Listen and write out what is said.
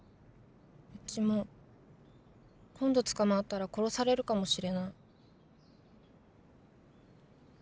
うちも今度捕まったら殺されるかもしれない。